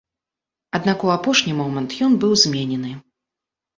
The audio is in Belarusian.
Аднак у апошні момант ён быў зменены.